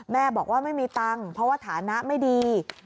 แม่บอกว่าไม่มีตังค์เพราะว่าฐานะไม่ดี